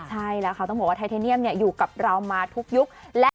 ใช่แล้วค่ะต้องบอกว่าไทเทเนียมอยู่กับเรามาทุกยุค